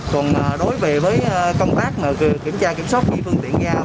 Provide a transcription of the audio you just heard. còn đối với công tác kiểm soát ghi phương tiện ra